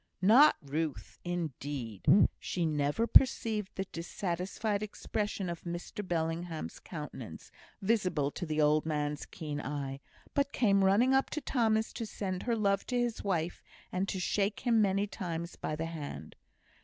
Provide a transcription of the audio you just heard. Not Ruth, indeed! She never perceived the dissatisfied expression of Mr Bellingham's countenance, visible to the old man's keen eye; but came running up to Thomas to send her love to his wife, and to shake him many times by the hand.